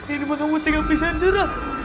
ini mah kamu tinggalin saya sur